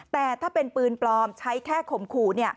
แต่ถ้าเป็นปืนปลอมใช้แค่ข่มขู่